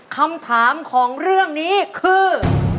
คำถามของเรื่องนี้คือ